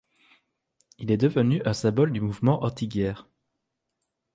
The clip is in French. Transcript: Il est devenu un symbole du mouvement antiguerre.